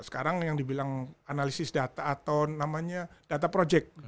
sekarang yang dibilang analisis data atau namanya data project